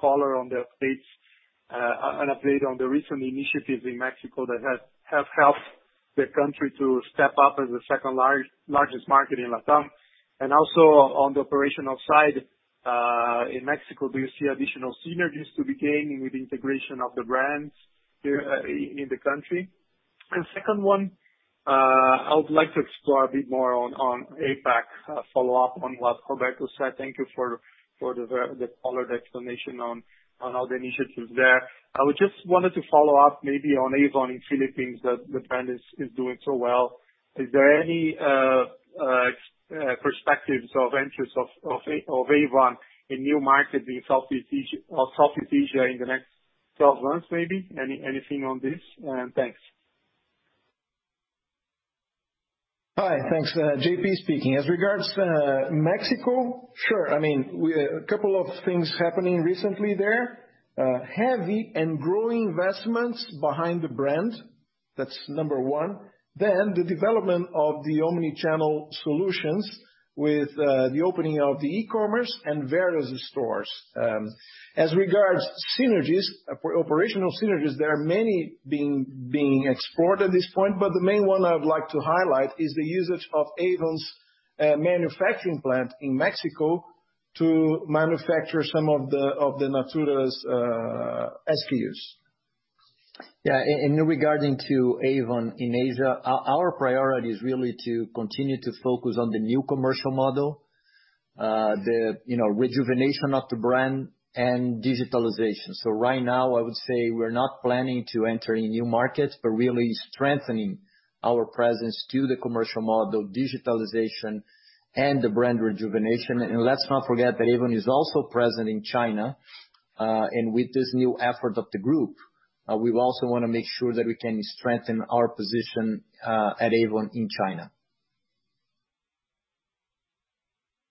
color on the updates, an update on the recent initiatives in Mexico that have helped the country to step up as the second largest market in LatAm? Also, on the operational side in Mexico, do you see additional synergies to be gained with the integration of the brands in the country? Second one, I would like to explore a bit more on APAC, follow up on what Roberto said. Thank you for the colored explanation on all the initiatives there. I just wanted to follow up maybe on Avon in Philippines, that the brand is doing so well. Is there any perspectives of interest of Avon in new markets of Southeast Asia in the next 12 months maybe? Anything on this? Thanks. Hi. Thanks. JP speaking. As regards Mexico, sure. A couple of things happening recently there. Heavy and growing investments behind the brand. That's number one. The development of the omni-channel solutions with the opening of the e-commerce and various stores. As regards synergies, operational synergies, there are many being explored at this point, but the main one I would like to highlight is the usage of Avon's manufacturing plant in Mexico to manufacture some of Natura's SKUs. Regarding Avon in Asia, our priority is really to continue to focus on the new commercial model, the rejuvenation of the brand and digitalization. Right now, I would say we're not planning to enter any new markets, but really strengthening our presence to the commercial model, digitalization and the brand rejuvenation. Let's not forget that Avon is also present in China. With this new effort of the group, we also want to make sure that we can strengthen our position at Avon in China.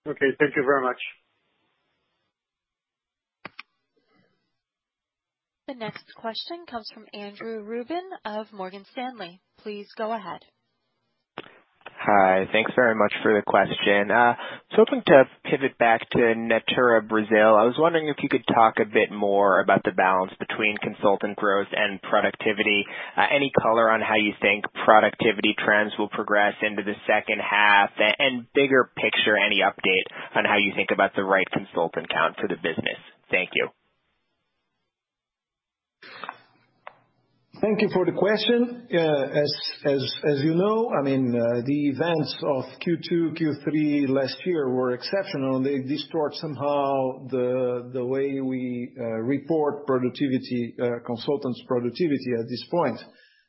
Okay. Thank you very much. The next question comes from Andrew Ruben of Morgan Stanley. Please go ahead. Hi. Thanks very much for the question. I'm going to pivot back to Natura Brasil. I was wondering if you could talk a bit more about the balance between consultant growth and productivity. Any color on how you think productivity trends will progress into the second half? Bigger picture, any update on how you think about the right consultant count for the business? Thank you. Thank you for the question. As you know, the events of Q2, Q3 last year were exceptional. They distort somehow the way we report consultants' productivity at this point.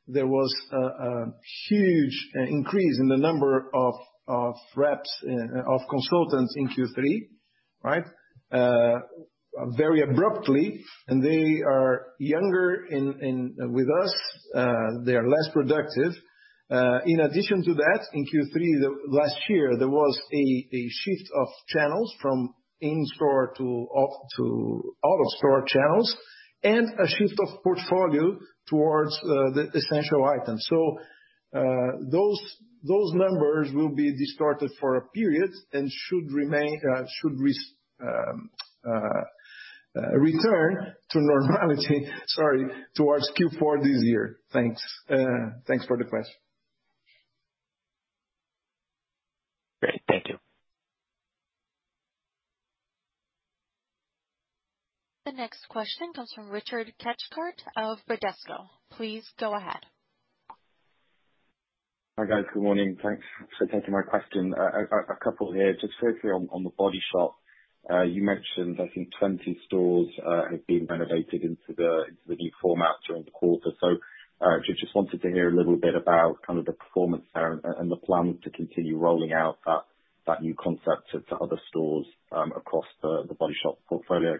There was a huge increase in the number of consultants in Q3. Very abruptly, they are younger with us, they're less productive. In addition to that, in Q3 last year, there was a shift of channels from in-store to out-of-store channels, and a shift of portfolio towards the essential items. Those numbers will be distorted for a period and should return to normality towards Q4 this year. Thanks for the question. Great. Thank you. The next question comes from Richard Cathcart of Bradesco. Please go ahead. Hi, guys. Good morning. Thanks for taking my question. A couple here. Just firstly on The Body Shop, you mentioned, I think 20 stores have been renovated into the new format during the quarter. Just wanted to hear a little bit about kind of the performance there and the plans to continue rolling out that new concept to other stores across The Body Shop portfolio.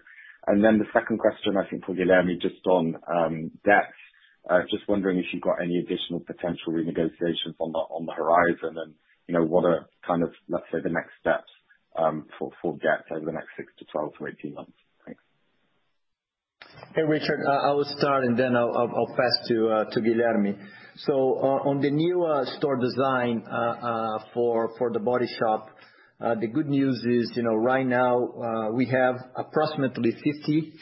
The second question, I think for Guilherme, just on debt. Just wondering if you've got any additional potential renegotiations on the horizon, and what are, let's say, the next steps for debt over the next 6-12-18 months. Thanks. Hey, Richard. I will start, and then I'll pass to Guilherme. On the new store design for The Body Shop, the good news is right now we have approximately 50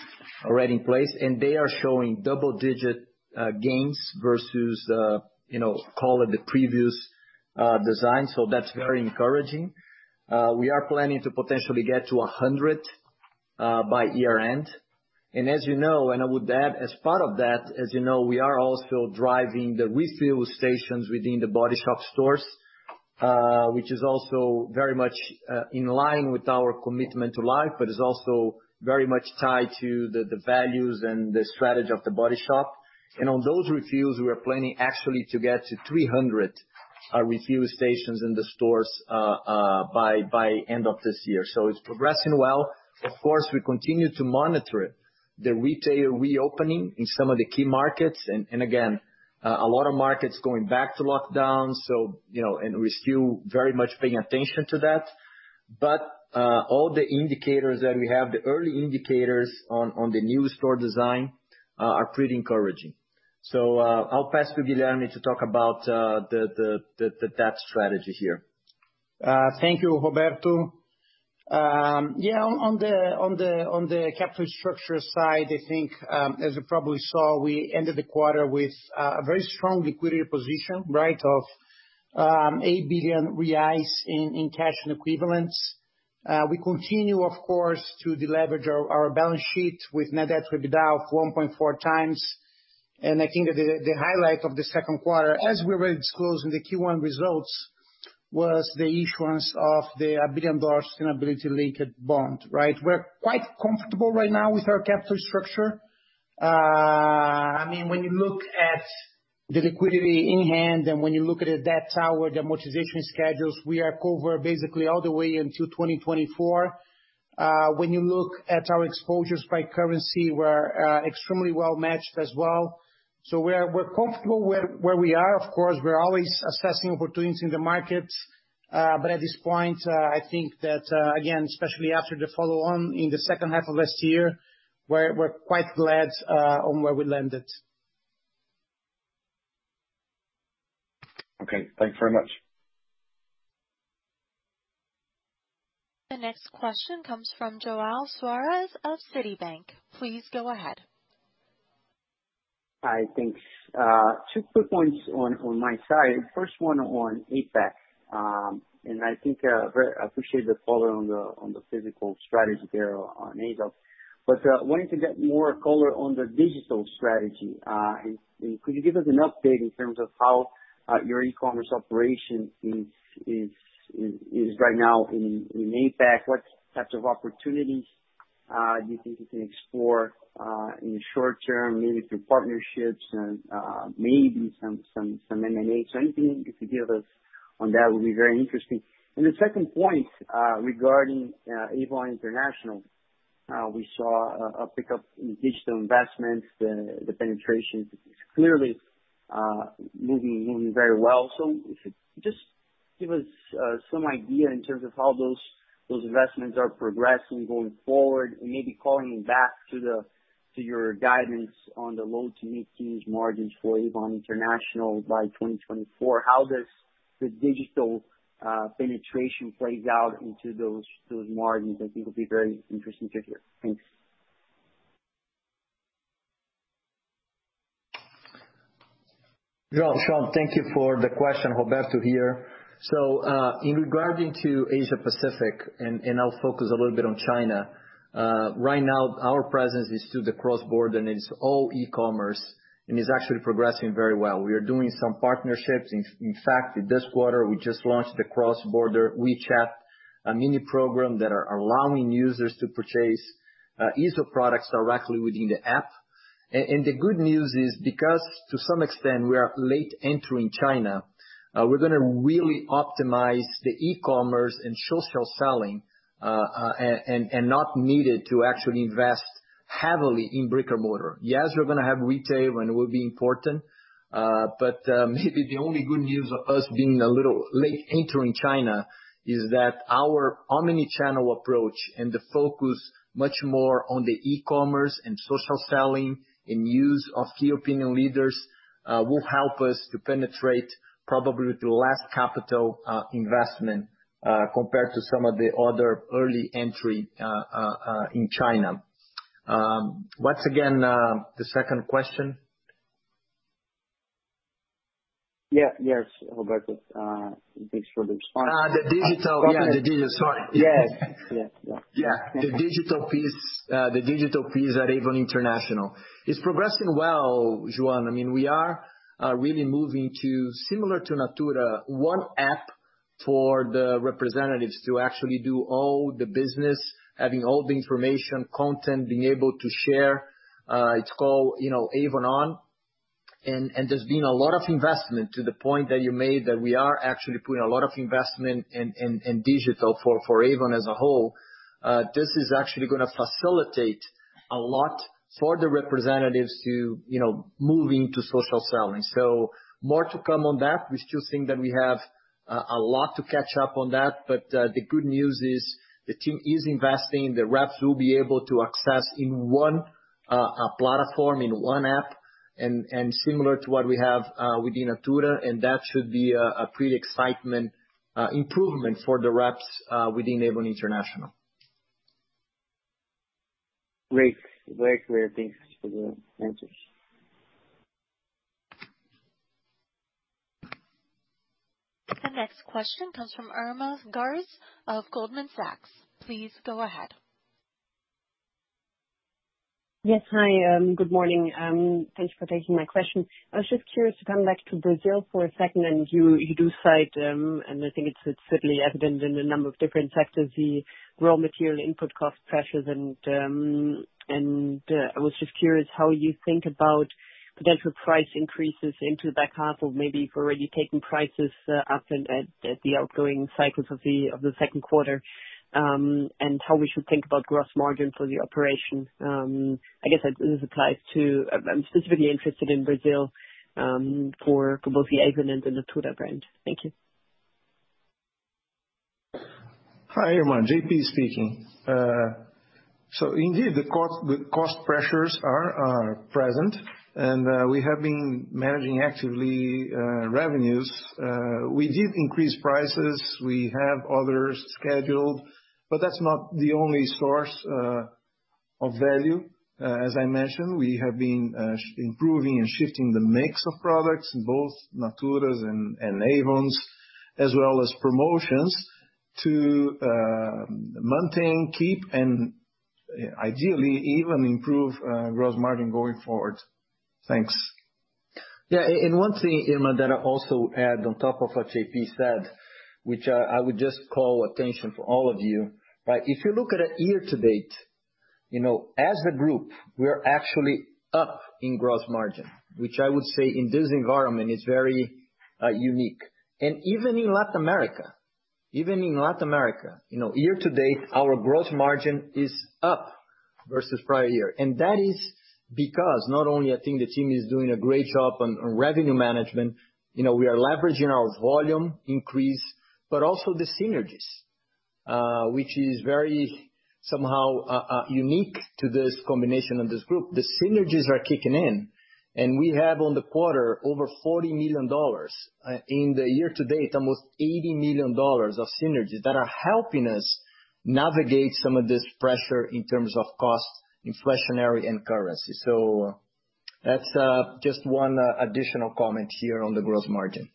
already in place, and they are showing double-digit gains versus call it the previous design. That's very encouraging. We are planning to potentially get to 100 by year-end. I would add, as part of that, as you know, we are also driving the refill stations within The Body Shop stores, which is also very much in line with our Commitment to Life, but is also very much tied to the values and the strategy of The Body Shop. On those refills, we are planning actually to get to 300 refill stations in the stores by end of this year. It's progressing well. Of course, we continue to monitor the retail reopening in some of the key markets. Again, a lot of markets going back to lockdown, and we're still very much paying attention to that. All the indicators that we have, the early indicators on the new store design are pretty encouraging. I'll pass to Guilherme Strano Castellan to talk about that strategy here. Thank you, Roberto. Yeah, on the capital structure side, I think, as you probably saw, we ended the quarter with a very strong liquidity position of 8 billion reais in cash and equivalents. We continue, of course, to deleverage our balance sheet with net debt to EBITDA of 1.4x. I think that the highlight of the second quarter, as we already disclosed in the Q1 results, was the issuance of the $1 billion sustainability-linked bond. We are quite comfortable right now with our capital structure. When you look at the liquidity in hand and when you look at the debt tower, the amortization schedules, we are covered basically all the way into 2024. When you look at our exposures by currency, we are extremely well-matched as well. We are comfortable where we are. Of course, we are always assessing opportunities in the market. At this point, I think that, again, especially after the follow-on in the second half of last year, we're quite glad on where we landed. Okay. Thanks very much. The next question comes from João Soares of Citibank. Please go ahead. Hi. Thanks. Two quick points on my side. First one on APAC. I think I appreciate the color on the physical strategy there on Aesop. Wanted to get more color on the digital strategy. Could you give us an update in terms of how your e-commerce operation is right now in APAC? What types of opportunities do you think you can explore in the short term, maybe through partnerships and maybe some M&As? Anything you could give us on that would be very interesting. The second point, regarding Avon International. We saw a pickup in digital investments. The penetration is clearly moving very well. If you could just give us some idea in terms of how those investments are progressing going forward, and maybe calling back to your guidance on the low to mid-teens margins for Avon International by 2024. How does the digital penetration plays out into those margins? I think it'll be very interesting to hear. Thanks. João, thank you for the question. Roberto here. Regarding Asia Pacific, I'll focus a little bit on China. Right now our presence is through the cross-border, it's all e-commerce, it's actually progressing very well. We are doing some partnerships. In fact, this quarter, we just launched the cross-border WeChat, a mini program that are allowing users to purchase Aesop products directly within the app. The good news is, because to some extent we are late entry in China, we're going to really optimize the e-commerce and social selling, not needed to actually invest heavily in brick or mortar. Yes, we're going to have retail and it will be important. Maybe the only good news of us being a little late entry in China is that our omni-channel approach and the focus much more on the e-commerce and social selling and use of key opinion leaders, will help us to penetrate probably with less capital investment, compared to some of the other early entry in China. Once again, the second question. Yeah. Yes, Roberto. Thanks for the response. The digital. Yeah, the digital, sorry. Yes. Yeah. The digital piece at Avon International. It's progressing well, João. We are really moving to similar to Natura, one app for the representatives to actually do all the business, having all the information, content, being able to share. It's called Avon On. There's been a lot of investment to the point that you made that we are actually putting a lot of investment in digital for Avon as a whole. This is actually going to facilitate a lot for the representatives to moving to social selling. More to come on that. We still think that we have a lot to catch up on that. The good news is the team is investing, the reps will be able to access in one platform, in one app, and similar to what we have within Natura. That should be a pretty excitement improvement, for the reps within Avon International. Great. Great. Great. Thanks for the answers. The next question comes from Irma Sgarz of Goldman Sachs. Please go ahead. Yes. Hi, good morning. Thanks for taking my question. I was just curious to come back to Brazil for a second, and you do cite, and I think it's certainly evident in a number of different sectors, the raw material input cost pressures. I was just curious how you think about potential price increases into the back half of maybe if we're already taking prices up and at the outgoing cycles of the second quarter, and how we should think about gross margin for the operation. I'm specifically interested in Brazil, for both the Avon and the Natura brand. Thank you. Hi, Irma. JP speaking. Indeed, the cost pressures are present, and we have been managing actively revenues. We did increase prices. We have others scheduled, but that's not the only source of value. As I mentioned, we have been improving and shifting the mix of products in both Natura's and Avon's, as well as promotions to maintain, keep, and ideally, even improve gross margin going forward. Thanks. Yeah. One thing, Irma, that I also add on top of what JP said, which I would just call attention for all of you. If you look at a year-to-date, as a group, we're actually up in gross margin, which I would say in this environment is very unique. Even in Latin America, year-to-date, our gross margin is up versus prior year. That is because not only I think the team is doing a great job on revenue management, we are leveraging our volume increase, but also the synergies, which is very somehow unique to this combination of this group. The synergies are kicking in, and we have on the quarter over BRL 40 million. In the year-to-date, almost BRL 80 million of synergies that are helping us navigate some of this pressure in terms of cost, inflationary, and currency. That's just one additional comment here on the gross margin.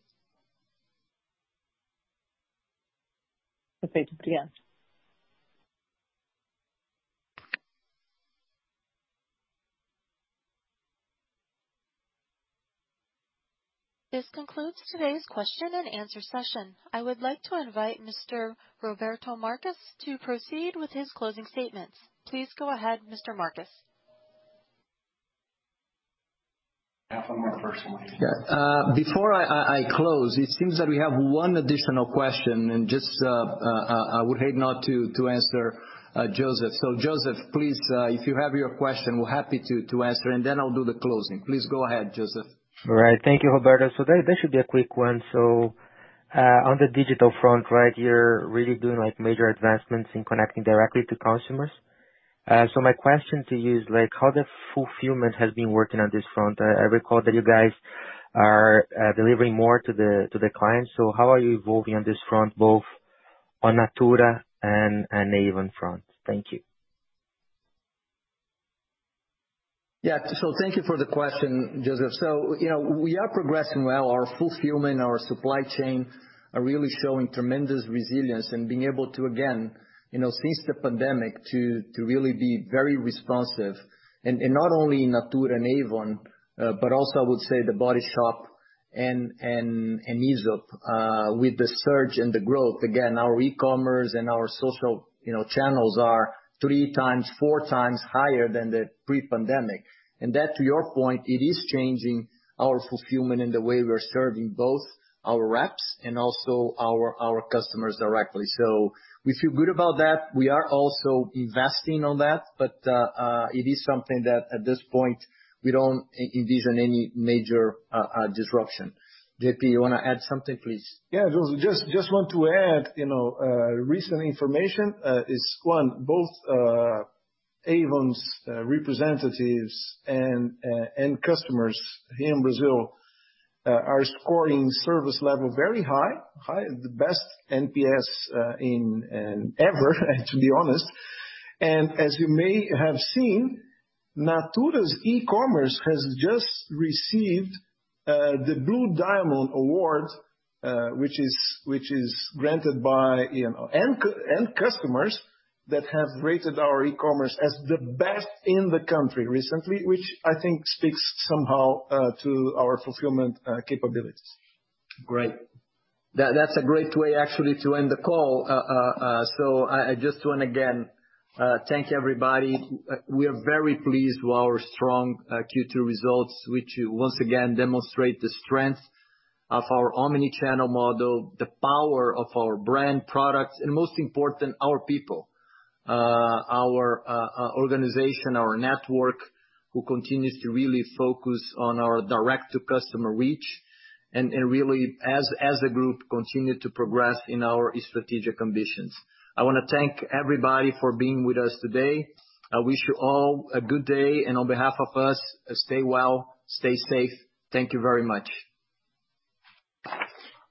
Okay. Thanks. This concludes today's question and answer session. I would like to invite Mr. Roberto Marques to proceed with his closing statements. Please go ahead, Mr. Marques. Yeah. Before I close, it seems that we have one additional question, just, I would hate not to answer Joseph. Joseph, please, if you have your question, we're happy to answer then I'll do the closing. Please go ahead, Joseph. All right. Thank you, Roberto. That should be a quick one. On the digital front, right here, really doing major advancements in connecting directly to customers. My question to you is how the fulfillment has been working on this front. I recall that you guys are delivering more to the clients. How are you evolving on this front, both on Natura and Avon front? Thank you. Yeah. Thank you for the question, Joseph. We are progressing well. Our fulfillment, our supply chain are really showing tremendous resilience and being able to, again, since the pandemic, to really be very responsive. Not only Natura and Avon, but also I would say The Body Shop and Aesop, with the surge and the growth. Again, our e-commerce and our social channels are three times, four times higher than the pre-pandemic. That, to your point, it is changing our fulfillment and the way we're serving both our reps and also our customers directly. We feel good about that. We are also investing on that. It is something that at this point we don't envision any major disruption. JP, you want to add something, please? Joseph, just want to add, recent information is, one, both Avon's representatives and customers here in Brazil are scoring service level very high. The best NPS ever, to be honest. As you may have seen, Natura's e-commerce has just received the Blue Diamond Award, which is granted by end customers that have rated our e-commerce as the best in the country recently, which I think speaks somehow to our fulfillment capabilities. Great. That's a great way, actually, to end the call. I just want to, again, thank everybody. We are very pleased with our strong Q2 results, which once again demonstrate the strength of our omni-channel model, the power of our brand products, and most important, our people. Our organization, our network, who continues to really focus on our direct-to-customer reach and really, as a group, continue to progress in our strategic ambitions. I want to thank everybody for being with us today. I wish you all a good day. On behalf of us, stay well, stay safe. Thank you very much.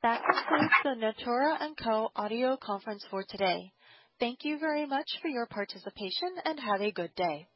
That concludes the Natura & Co audio conference for today. Thank you very much for your participation, and have a good day.